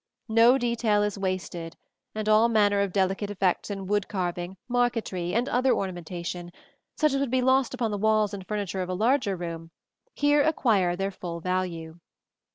No detail is wasted, and all manner of delicate effects in wood carving, marquetry, and other ornamentation, such as would be lost upon the walls and furniture of a larger room, here acquire their full value.